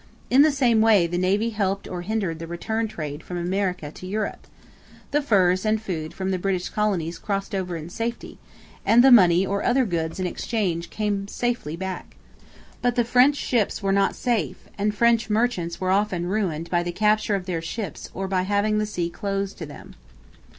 In the same way the navy helped or hindered the return trade from America to Europe. The furs and food from the British colonies crossed over in safety, and the money or other goods in exchange came safely back. But the French ships were not safe, and French merchants were often ruined by the capture of their ships or by having the sea closed to them.